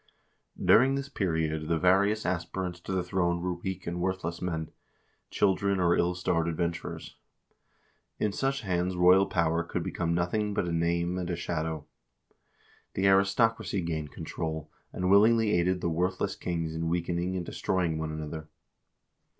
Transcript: During this period the various aspirants to the throne were weak and worthless men, children, or ill starred adventurers. In such hands royal power could become nothing but a name and a shadow. The aristocracy gained control, and willingly aided the worthless kings in weakening and destroying one another.